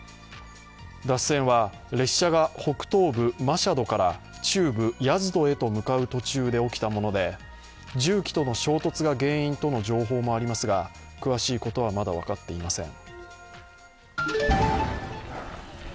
脱線は列車が北東部マシャドから中部ヤズドへと向かう途中で起きたもので、重機との衝突が原因との情報もありますが、詳しいことはまだ分かっていません。